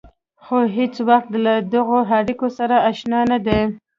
خو هېڅوک له دغو اړيکو سره اشنا نه دي.